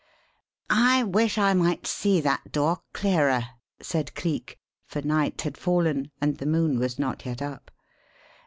"I wish I might see that door clearer," said Cleek; for night had fallen and the moon was not yet up.